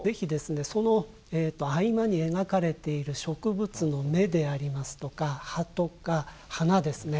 その合間に描かれている植物の芽でありますとか葉とか花ですね。